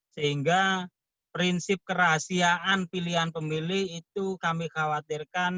sehingga prinsip kerahasiaan pilihan pemilih itu kami khawatirkan